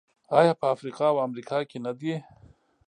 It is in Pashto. آیا په افریقا او امریکا کې نه دي؟